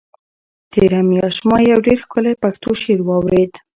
تېره میاشت ما یو ډېر ښکلی پښتو شعر واورېد.